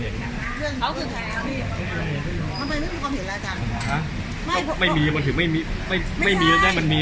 ก็ถ้าเขาใช้ที่ปรับมันมีโอกาสจัดตั้งรัฐกรรม